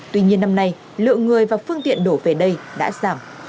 tuy nhiên năm nay lượng người và phương tiện đổ về đây đã giảm